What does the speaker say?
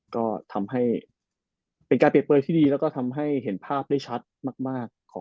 ก็ทำให้แบบเปลี่ยนเปิดที่ดีแล้วก็ทำให้เห็นภาพได้ชัดมาก